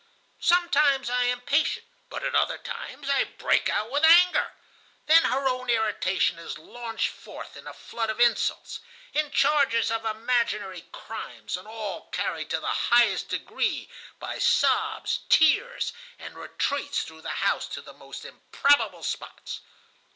"Sometimes I am patient, but at other times I break out with anger. Then her own irritation is launched forth in a flood of insults, in charges of imaginary crimes and all carried to the highest degree by sobs, tears, and retreats through the house to the most improbable spots.